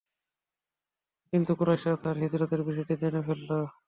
কিন্তু কুরাইশরা তাঁর হিজরতের বিষয়টি জেনে ফেলল।